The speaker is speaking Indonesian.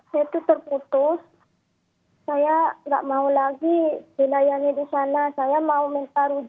saya itu terputus saya gak mau lagi dilayani di sana saya mau minta rujuk aja